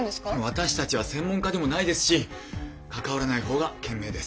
私たちは専門家でもないですし関わらない方が賢明です。